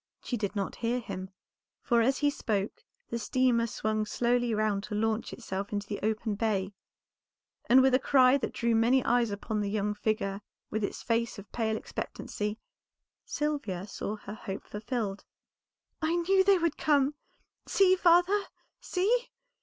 She did not hear him, for as he spoke the steamer swung slowly round to launch itself into the open bay, and with a cry that drew many eyes upon the young figure with its face of pale expectancy, Sylvia saw her hope fulfilled. "I knew they would come! See, father, see!